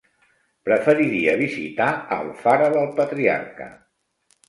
Preferiria visitar Alfara del Patriarca.